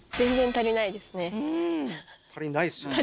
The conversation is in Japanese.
足りないですよね。